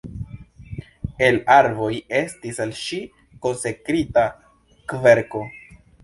El arboj estis al ŝi konsekrita kverko.